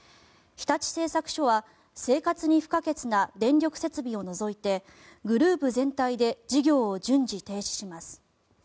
日立製作所は生活に不可欠な電力設備を除いてグループ全体で事業を順次停止します。